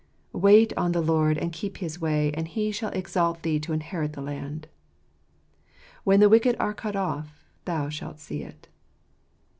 " Wait on the Lord, and keep his way, and He shall exalt thee to inherit the land: when the wicked are cut off thou shalt see it."